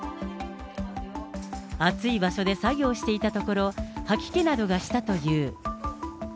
暑い場所で作業していたところ、吐き気などがしたという。